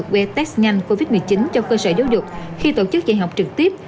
về test nhanh covid một mươi chín cho cơ sở giáo dục khi tổ chức dạy học trực tiếp